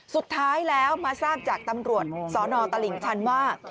สุดท้ายแล้วมาทราบจากตำรวจสนตลิ่งชันว่า